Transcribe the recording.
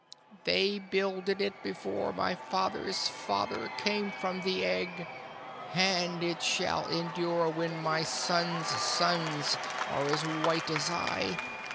They builded it before my father's father came from the egg, and it shall endure when my son's sons are as white as I!